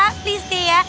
please deh ya